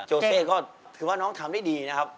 โเซ่ก็ถือว่าน้องทำได้ดีนะครับ